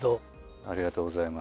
ありがとうございます。